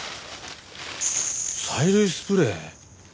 催涙スプレー。